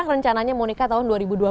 rencananya mau nikah tahun dua ribu dua puluh